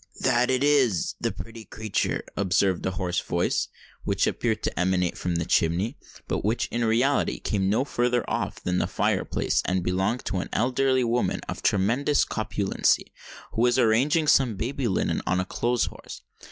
"That it is—the pretty creatur!" observed a hoarse voice, which appeared to emanate from the chimney, but which in reality came from no further off than the fire place, and belonged to an elderly woman of tremendous corpulency, who was arranging some baby linen on a clothes horse.